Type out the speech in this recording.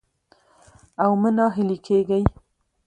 او مه ناهيلي کېږئ